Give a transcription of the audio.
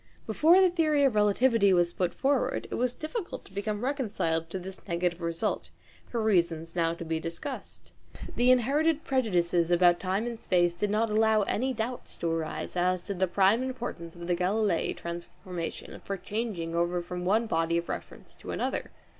Before the theory of relativity was put forward, it was difficult to become reconciled to this negative result, for reasons now to be discussed. The inherited prejudices about time and space did not allow any doubt to arise as to the prime importance of the Galileian transformation for changing over from one body of reference to another.